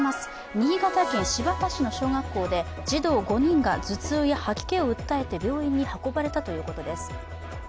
新潟県新発田市の小学校で児童５人が頭痛や吐き気を訴えて病院に運ばれたということです。